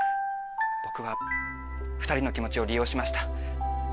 僕は２人の気持ちを利用しました。